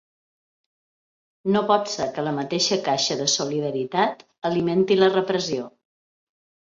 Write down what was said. No pot ser que la mateixa caixa de solidaritat alimenti la repressió.